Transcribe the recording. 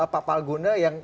pak palguna yang